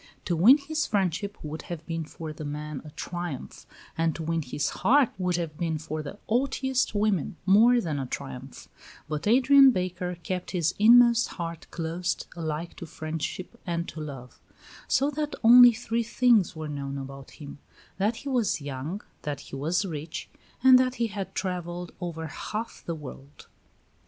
To win his friendship would have been for the men a triumph; and to win his heart would have been for the haughtiest woman more than a triumph; but Adrian Baker kept his inmost heart closed alike to friendship and to love; so that only three things were known about him that he was young, that he was rich, and that he had travelled over half the world.